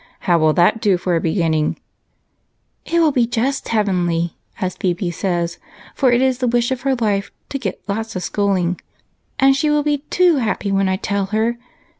How will that do for a beginning ?"" It will be * just heavenly,' as Phebe says, for it is the wish of her life to ' get lots of schooling,' and she will be too happy when I tell her.